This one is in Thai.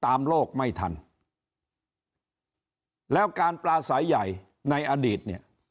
โลกไม่ทันแล้วการปลาสายใหญ่ในอดีตเนี่ย